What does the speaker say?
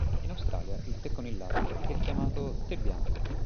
In Australia il tè con il latte è chiamato "tè bianco".